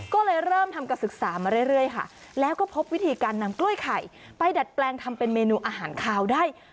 ก็เลยเริ่มทำการศึกษามาเรื่อยค่ะแล้วก็พบวิธีการนำกล้วยไข่ไปดัดแปลงทำเป็นเมนูอาหารคาวได้